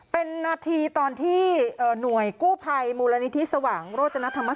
เป็นนาทีตอนที่เอ่อหน่วยกู้ไพรมูลณีที่สว่างโรจนาธรรมสรรค